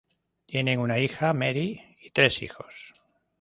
Tienen una hija, Mary, y tres hijos.